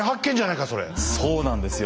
そうなんですよ。